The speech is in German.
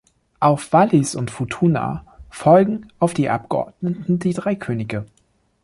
Auf Wallis und Futuna folgen auf die Abgeordneten die drei Könige.